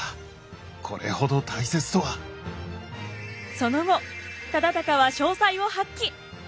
その後忠敬は商才を発揮。